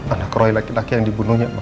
anak roi laki laki yang dibunuhnya mak